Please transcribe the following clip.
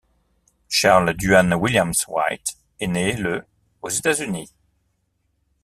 Charles Duane Williams-White est né le aux États-Unis.